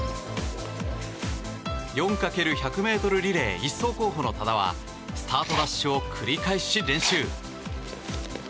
４×１００ｍリレー１走候補の多田はスタートダッシュを繰り返し練習。